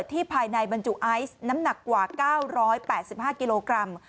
ภายในบรรจุไอซ์น้ำหนักกว่า๙๘๕กิโลกรัม